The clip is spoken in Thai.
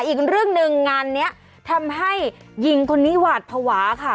อีกเรื่องหนึ่งงานนี้ทำให้หญิงคนนี้หวาดภาวะค่ะ